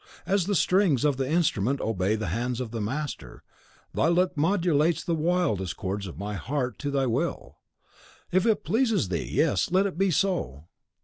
As the strings of the instrument obey the hand of the master, thy look modulates the wildest chords of my heart to thy will. If it please thee, yes, let it be so.